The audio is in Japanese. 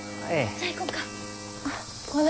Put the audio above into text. じゃあ行こうか？